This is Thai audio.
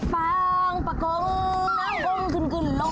ฟังปะกงน้ำกงขึ้นลง